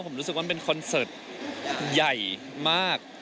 ผมรู้สึกว่ามันเป็นคอนเสิร์ตใหญ่มาก